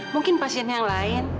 mungkin pasien yang lain